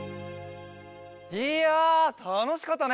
いやたのしかったね。